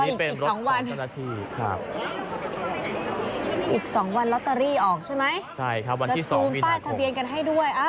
อีก๒วันรอตตลีออกใช่ไหมซุมต้านของทะเบียนกันให้ด้วย